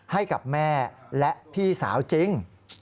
ให้กับแม่และพี่สาวจริง